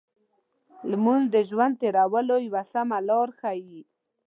لمونځ د ژوند تېرولو یو سمه لار ښيي.